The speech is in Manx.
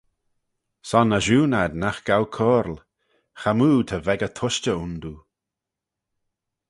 Son ashoon ad nagh gow coyrle, chamoo ta veg y tushtey ayndoo.